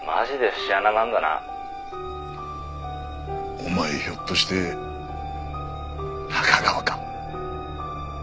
お前ひょっとして中川か？